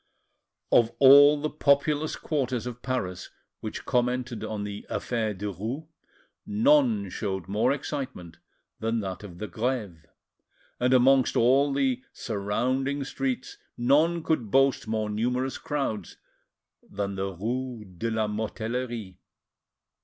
Of all the populous quarters of Paris which commented on the "affaire Derues," none showed more excitement than that of the Greve, and amongst all the surrounding streets none could boast more numerous crowds than the rue de la Mortellerie.